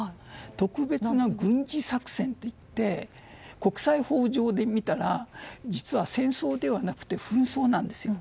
特別な軍事作戦と言って国際法上で見たら実は戦争ではなくて紛争なんですよ。